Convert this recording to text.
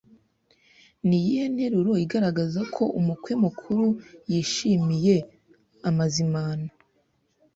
Ni iyihe nteruro igaragaza ko umukwe mukuru yishimiye amazimano